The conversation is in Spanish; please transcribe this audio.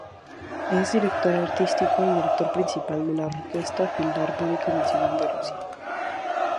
Es Director Artístico y Director Principal de la Orquesta Filarmónica Nacional de Rusia.